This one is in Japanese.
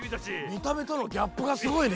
みためとのギャップがすごいね。